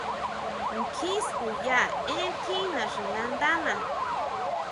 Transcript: Kjín skuya énn tjín naxinándana.